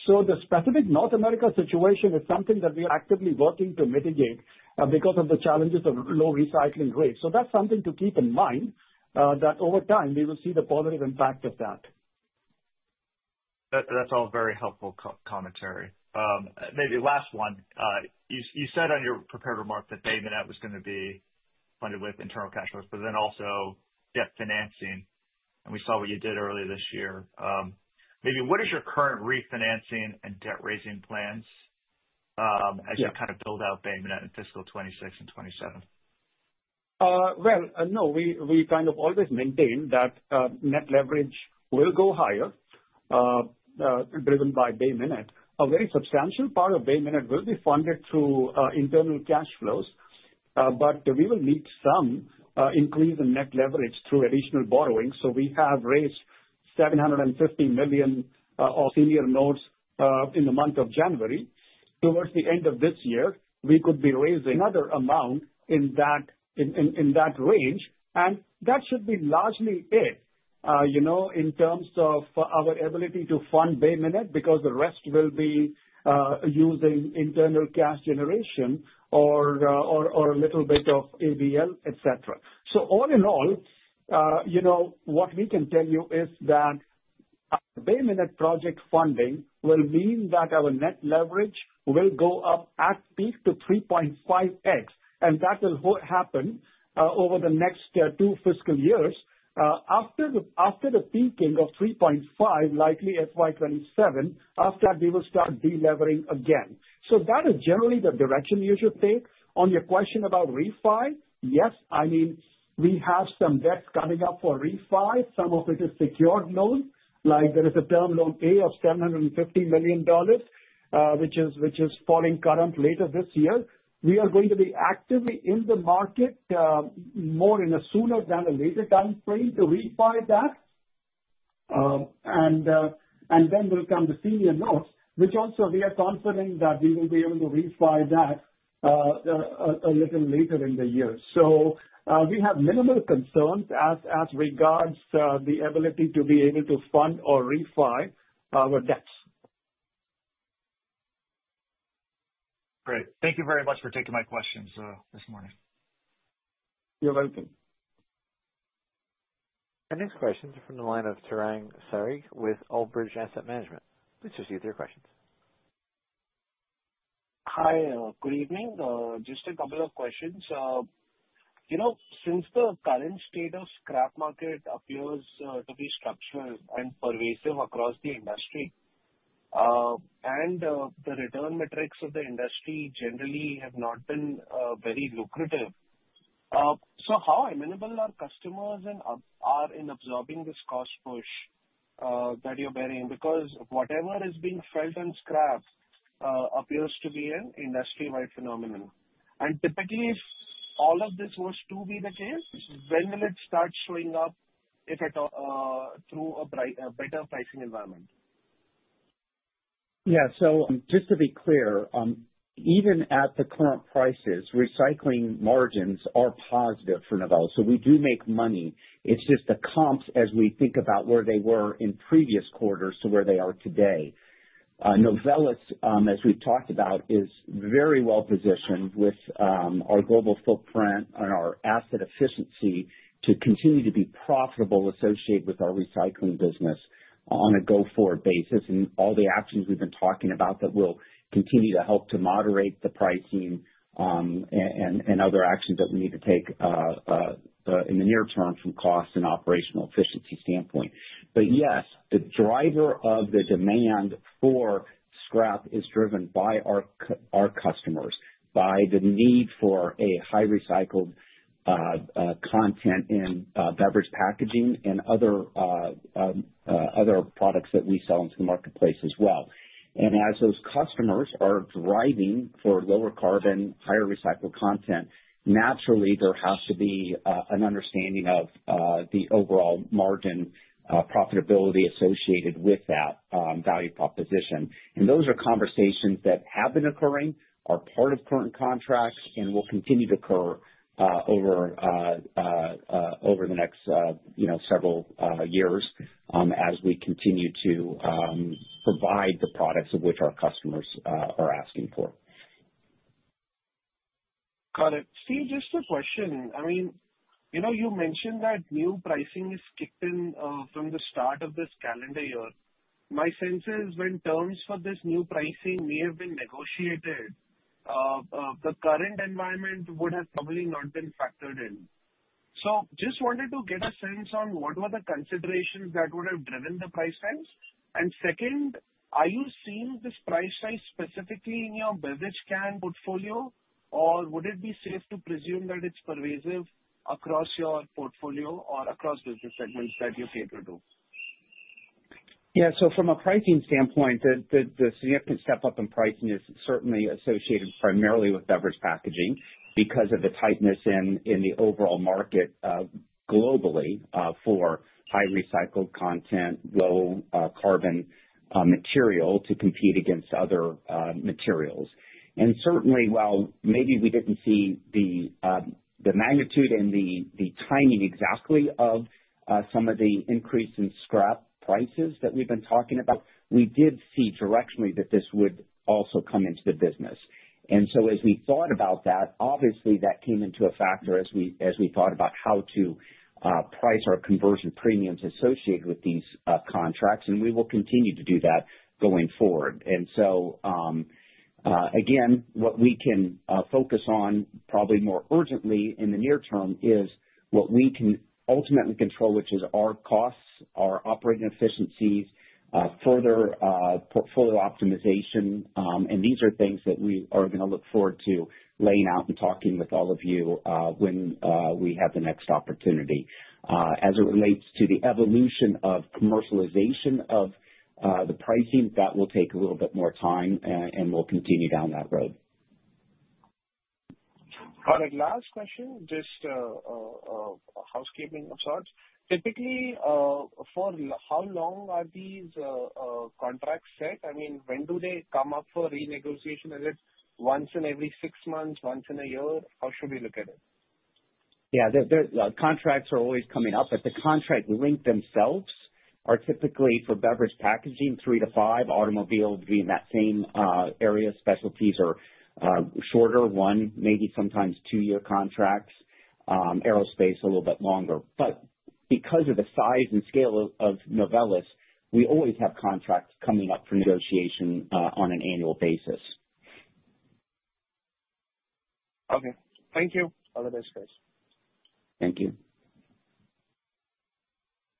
The specific North America situation is something that we are actively working to mitigate because of the challenges of low recycling rates. That's something to keep in mind that over time we will see the positive impact of that. That's all very helpful commentary. Maybe last one. You said on your prepared remarks that Bay Minette was gonna be funded with internal cash flows, but then also debt financing. We saw what you did earlier this year. Maybe what is your current refinancing and debt-raising plans? Yeah. as you kind of build out Bay Minette in fiscal 26 and 27? Well, no, we kind of always maintain that Net Leverage will go higher, driven by Bay Minette. A very substantial part of Bay Minette will be funded through internal cash flows, but we will need some increase in Net Leverage through additional borrowing. We have raised $750 million of senior notes in the month of January. Towards the end of this year, we could be raising another amount in that range, and that should be largely it in terms of our ability to fund Bay Minette, because the rest will be using internal cash generation or a little bit of ABL, et cetera. All in all what we can tell you is that our Bay Minette project funding will mean that our net leverage will go up at peak to 3.5x, and that is what happened over the next 2 fiscal years. After the peaking of 3.5, likely FY27, after that, we will start delevering again. That is generally the direction you should take. On your question about refi, yes. I mean, we have some debts coming up for refi. Some of it is secured loans, like there is a Term Loan A of $750 million, which is falling current later this year. We are going to be actively in the market, more in a sooner than a later time frame to refi that. Will come the senior notes, which also we are confident that we will be able to refi that a little later in the year. We have minimal concerns as regards the ability to be able to fund or refi our debts. Great. Thank you very much for taking my questions, this morning. You're welcome. Our next question is from the line of Tarang Sarawagi with Old Bridge Asset Management. Please proceed with your questions. Hi, good evening. Just a couple of questions. since the current state of scrap market appears to be structural and pervasive across the industry, the return metrics of the industry generally have not been very lucrative, how amenable are customers in absorbing this cost push that you're bearing, because whatever is being felt in scrap appears to be an industry-wide phenomenon? Typically, if all of this was to be the case, when will it start showing up, if at all, through a better pricing environment? Just to be clear, even at the current prices, recycling margins are positive for Novelis. We do make money. It's just the comps, as we think about where they were in previous quarters to where they are today. Novelis, as we've talked about, is very well positioned with our global footprint and our asset efficiency to continue to be profitable, associated with our recycling business on a go-forward basis, and all the actions we've been talking about that will continue to help to moderate the pricing, and other actions that we need to take in the near term from cost and operational efficiency standpoint. Yes, the driver of the demand for scrap is driven by our customers, by the need for a high recycled content in beverage packaging and other products that we sell into the marketplace as well. As those customers are driving for lower carbon, higher recycled content, naturally, there has to be an understanding of the overall margin profitability associated with that value proposition. Those are conversations that have been occurring, are part of current contracts, and will continue to occur over the next several years, as we continue to provide the products of which our customers are asking for. Got it. Steve, just a question. I mean you mentioned that new pricing is kicked in from the start of this calendar year. My sense is when terms for this new pricing may have been negotiated, the current environment would have probably not been factored in. Just wanted to get a sense on what were the considerations that would have driven the price rise? Second, are you seeing this price rise specifically in your beverage can portfolio, or would it be safe to presume that it's pervasive across your portfolio or across business segments that you cater to? From a pricing standpoint, the significant step up in pricing is certainly associated primarily with beverage packaging because of the tightness in the overall market globally for high recycled content, low carbon material to compete against other materials. Certainly, while maybe we didn't see the magnitude and the timing exactly of some of the increase in scrap prices that we've been talking about, we did see directionally that this would also come into the business. As we thought about that, obviously that came into a factor as we thought about how to price our conversion costs associated with these contracts. We will continue to do that going forward. Again, what we can focus on probably more urgently in the near term is what we can ultimately control, which is our costs, our operating efficiencies, further portfolio optimization, and these are things that we are gonna look forward to laying out and talking with all of you when we have the next opportunity. As it relates to the evolution of commercialization of the pricing, that will take a little bit more time, and we'll continue down that road. Got it. Last question, just, housekeeping of sorts. Typically, for how long are these, contracts set? I mean, when do they come up for renegotiation? Is it once in every six months, once in a year? How should we look at it? The contracts are always coming up, but the contract length themselves are typically for beverage packaging, 3-5, automobile would be in that same area. Specialties are shorter, 1, maybe sometimes 2-year contracts, aerospace, a little bit longer. Because of the size and scale of Novelis, we always have contracts coming up for negotiation on an annual basis. Okay. Thank you. Have a nice day. Thank you.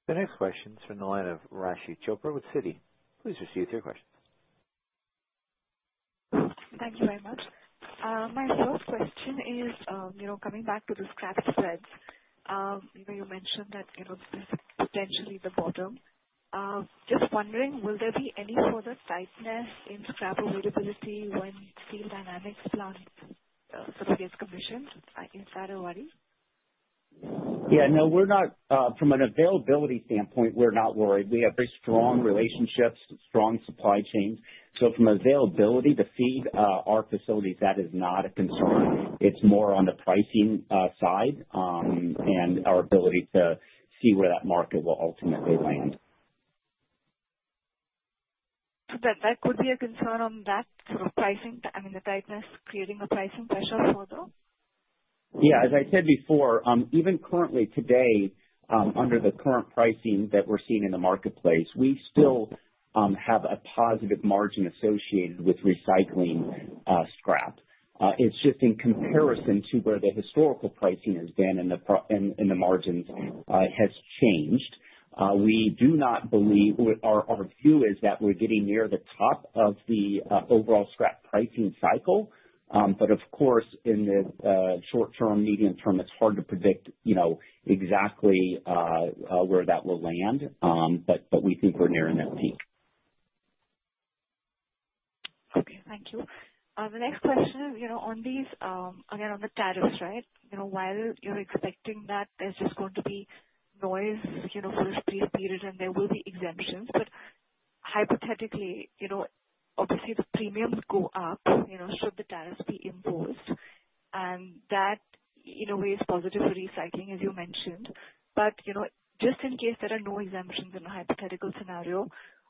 The next question is from the line of Raashi Chopra with Citi. Please proceed with your questions. Thank you very much. My first question is coming back to the scrap spreads you mentioned that this is potentially the bottom. Just wondering, will there be any further tightness in scrap availability when Steel Dynamics plant for various commissions in Sinton, Texas? Yeah. From an availability standpoint, we're not worried. We have very strong relationships, strong supply chains. From availability to feed, our facilities, that is not a concern. It's more on the pricing, side, and our ability to see where that market will ultimately land. That could be a concern on that sort of pricing, I mean, the tightness creating a pricing pressure for them? Yeah, as I said before, even currently today, under the current pricing that we're seeing in the marketplace, we still have a positive margin associated with recycling scrap. It's just in comparison to where the historical pricing has been in the margins has changed. We do not believe our view is that we're getting near the top of the overall scrap pricing cycle. Of course, in the short term, medium term, it's hard to predict exactly where that will land. We think we're nearing that peak. Okay. Thank you. The next question on these, again, on the tariffs, right? while you're expecting that there's just going to be noise for a brief period, and there will be exemptions, hypothetically obviously, the premiums go up should the tariffs be imposed, and that, in a way, is positive for recycling, as you mentioned. just in case there are no exemptions in a hypothetical scenario,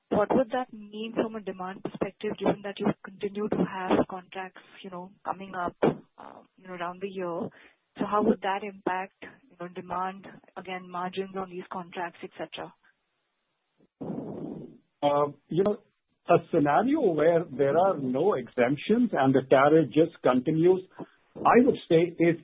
what would that mean from a demand perspective, given that you continue to have contracts coming up around the year? How would that impact your demand, again, margins on these contracts, et cetera? a scenario where there are no exemptions and the tariff just continues, I would say is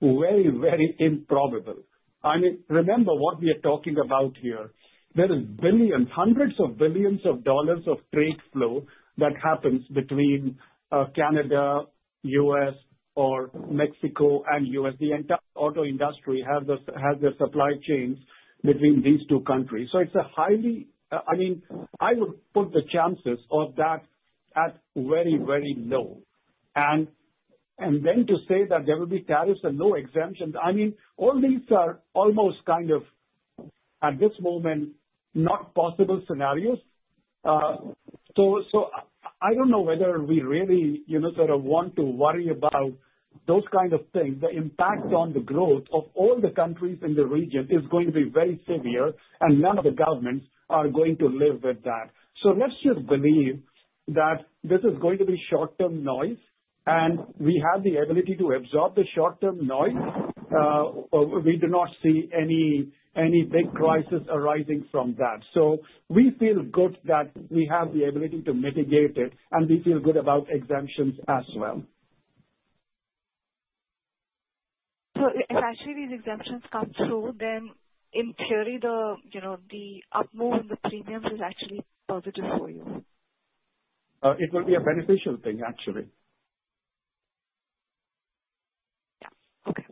very improbable. I mean, remember what we are talking about here. There is $billions, hundreds of billions of dollars of trade flow that happens between Canada, U.S., or Mexico and U.S. The entire auto industry has their supply chains between these two countries. It's a highly, I mean, I would put the chances of that at very, very low. To say that there will be tariffs and no exemptions, I mean, all these are almost kind of, at this moment, not possible scenarios. I don't know whether we really sort of want to worry about those kind of things. The impact on the growth of all the countries in the region is going to be very severe. None of the governments are going to live with that. Let's just believe that this is going to be short-term noise. We have the ability to absorb the short-term noise. We do not see any big crisis arising from that. We feel good that we have the ability to mitigate it. We feel good about exemptions as well. If actually these exemptions come through, then in theory, the the up move in the premiums is actually positive for you? It will be a beneficial thing, actually. Yeah. Okay.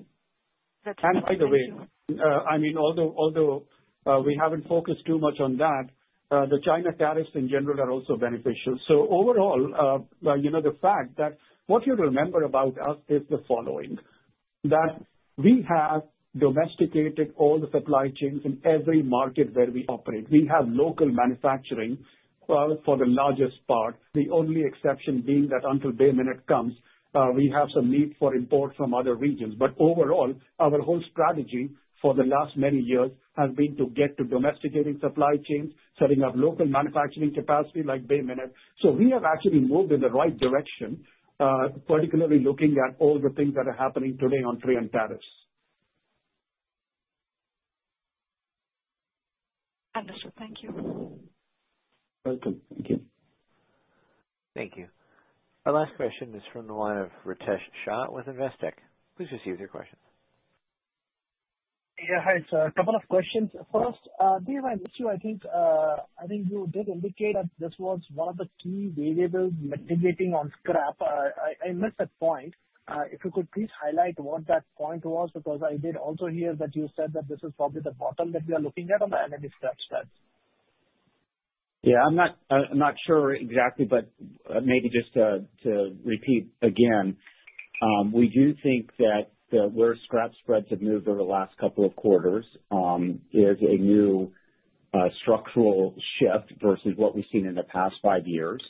By the way, I mean, although, we haven't focused too much on that, the China tariffs in general are also beneficial. overall the fact that what you remember about us is the following, that we have domesticated all the supply chains in every market where we operate. We have local manufacturing, for the largest part, the only exception being that until Bay Minette comes, we have some need for import from other regions. Overall, our whole strategy for the last many years has to get to domesticating supply chains, setting up local manufacturing capacity like Bay Minette. We have actually moved in the right direction, particularly looking at all the things that are happening today on trade and tariffs. Understood. Thank you. Welcome. Thank you. Thank you. Our last question is from the line of Ritesh Shah with Investec. Please proceed with your question. Hi, a couple of questions. First, dear, I miss you. I think you did indicate that this was one of the key variables mitigating on scrap. I missed that point. If you could please highlight what that point was, because I did also hear that you said that this is probably the bottom that we are looking at on the LME scrap spread. I'm not sure exactly, but maybe just to repeat again, We do think that the where scrap spreads have moved over the last couple of quarters is a new structural shift versus what we've seen in the past five years.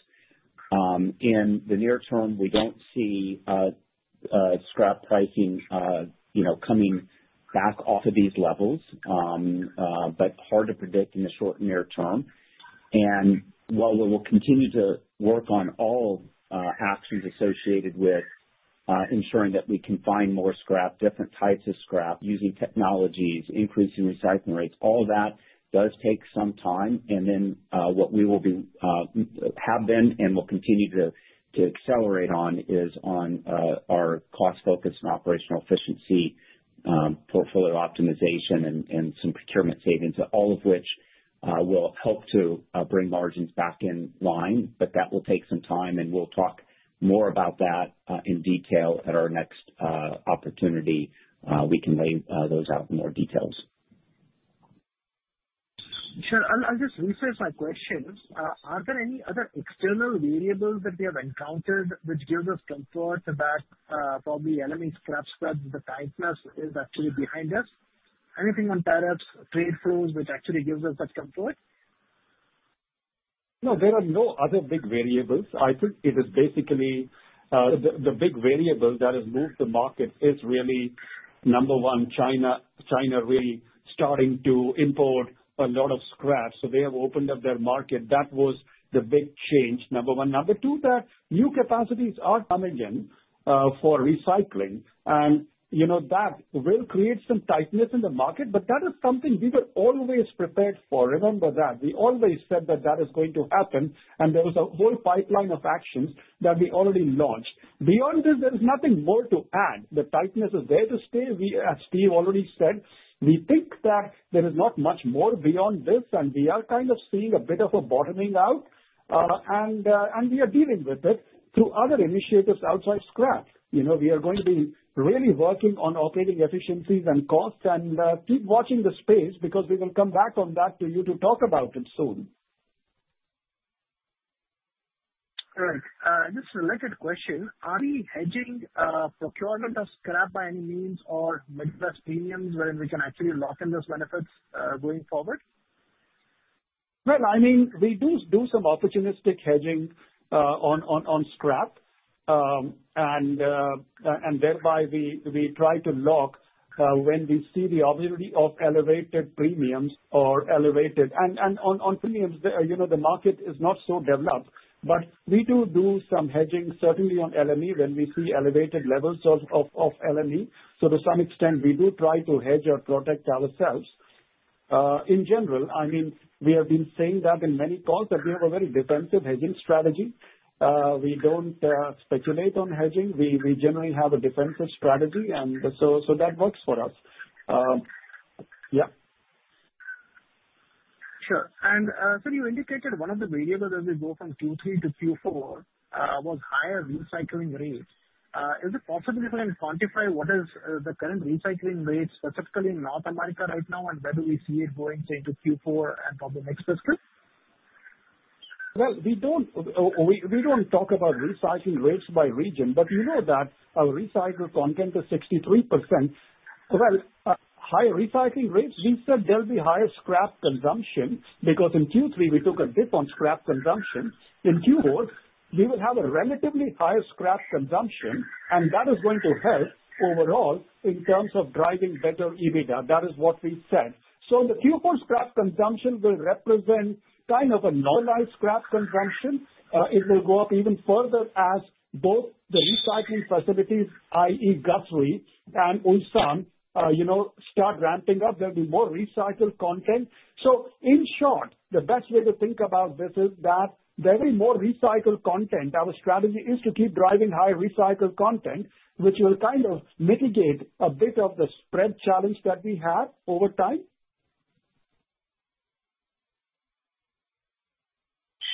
In the near term, we don't see scrap pricing coming back off of these levels, hard to predict in the short near term. While we will continue to work on all actions associated with ensuring that we can find more scrap, different types of scrap, using technologies, increasing recycling rates, all that does take some time. Then what we will be, have been and will continue to accelerate on, is on our cost focus and operational efficiency, portfolio optimization and some procurement savings. All of which will help to bring margins back in line. That will take some time. We'll talk more about that in detail at our next opportunity, we can lay those out in more details. Sure. I'll just rephrase my question. Are there any other external variables that we have encountered which gives us comfort about, probably LME scrap spread, the tightness is actually behind us? Anything on tariffs, trade flows, which actually gives us that comfort? No, there are no other big variables. I think it is basically, the big variable that has moved the market is really, number 1, China. China really starting to import a lot of scrap, so they have opened up their market. That was the big change, number 1. Number 2, that new capacities are coming in for recycling. that will create some tightness in the market, but that is something we were always prepared for. Remember that. We always said that that is going to happen, and there was a whole pipeline of actions that we already launched. Beyond this, there is nothing more to add. The tightness is there to stay. We, as Steve already said, we think that there is not much more beyond this, and we are kind of seeing a bit of a bottoming out, and we are dealing with it through other initiatives outside scrap. we are going to be really working on operating efficiencies and costs and keep watching the space because we will come back on that to you to talk about it soon. All right. Just a related question: Are we hedging procurement of scrap by any means or maybe best premiums wherein we can actually lock in those benefits going forward? we do some opportunistic hedging on scrap. Thereby we try to lock when we see the opportunity of elevated premiums and on premiums the market is not so developed. We do some hedging, certainly on LME, when we see elevated levels of LME. To some extent, we do try to hedge or protect ourselves. In general, I mean, we have been saying that in many calls that we have a very defensive hedging strategy. We don't speculate on hedging. We generally have a defensive strategy, so that works for us. Yeah. Sure. You indicated one of the variables as we go from Q3 to Q4 was higher recycling rates. Is it possible you can quantify what is the current recycling rates, specifically in North America right now, and whether we see it going say, into Q4 and for the next fiscal? We don't talk about recycling rates by region, but that our recycled content is 63%. Higher recycling rates, we said there'll be higher scrap consumption, because in Q3 we took a dip on scrap consumption. In Q4, we will have a relatively higher scrap consumption, that is going to help overall in terms of driving better EBITDA. That is what we said. In the Q4, scrap consumption will represent kind of a normalized scrap consumption. It will go up even further as both the recycling facilities, i.e., Guthrie and ulsan start ramping up. There'll be more recycled content. In short, the best way to think about this is that there'll be more recycled content. Our strategy is to keep driving higher recycled content, which will kind of mitigate a bit of the spread challenge that we have over time.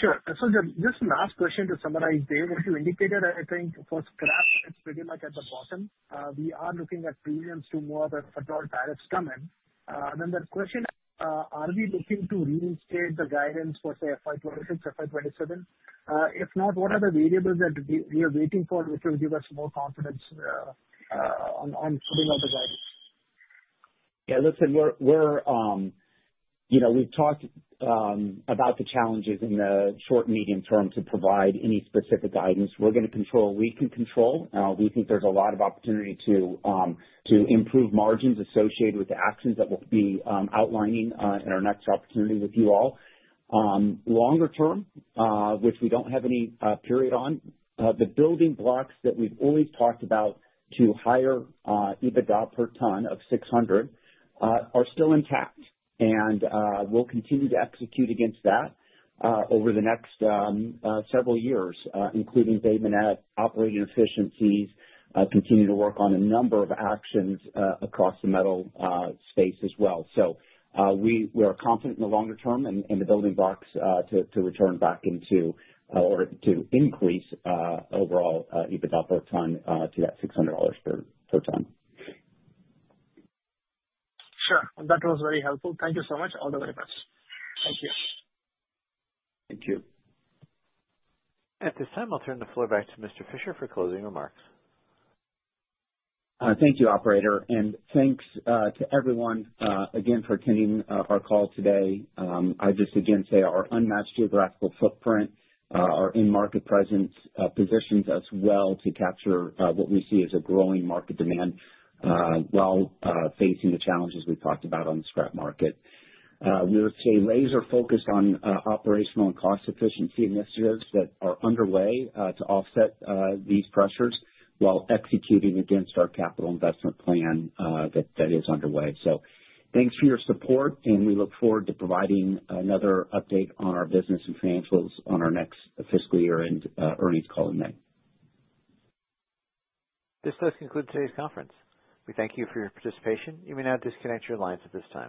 Sure. just last question to summarize, Dev, what you indicated, I think for scrap, it's pretty much at the bottom. we are looking at premiums to more of a federal tariffs come in. the question, are we looking to reinstate the guidance for, say, FY 2026, FY 2027? if not, what are the variables that we are waiting for, which will give us more confidence on putting out the guidance? we've talked about the challenges in the short, medium term to provide any specific guidance. We're gonna control what we can control. We think there's a lot of opportunity to improve margins associated with the actions that we'll be outlining in our next opportunity with you all. Longer term, which we don't have any period on, the building blocks that we've always talked about to higher EBITDA per ton of $600 are still intact, and we'll continue to execute against that over the next several years, including day and night, operating efficiencies, continue to work on a number of actions across the metal space as well. We are confident in the longer term and the building blocks to return back into or to increase overall EBITDA per ton to that $600 per ton. Sure. That was very helpful. Thank you so much. All the very best. Thank you. Thank you. At this time, I'll turn the floor back to Mr. Fisher for closing remarks. Thank you, operator, and thanks to everyone again for attending our call today. I just again say our unmatched geographical footprint, our in-market presence, positions us well to capture what we see as a growing market demand while facing the challenges we talked about on the scrap market. We're stay laser focused on operational and cost efficiency initiatives that are underway to offset these pressures while executing against our capital investment plan that is underway. Thanks for your support, and we look forward to providing another update on our business and financials on our next fiscal year end earnings call in May. This does conclude today's conference. We thank you for your participation. You may now disconnect your lines at this time.